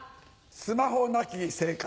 スマホなき生活。